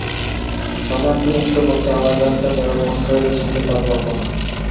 শাহজাহানকে মুক্ত করতে আড়াই লাখ টাকায় অপহরণকারীদের সঙ্গে তাঁর রফা হয়।